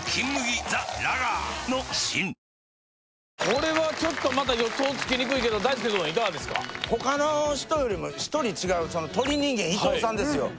これはちょっとまた予想つきにくいけど大輔くんいかがですか他の人よりも１人違う鳥人間伊藤さんですよ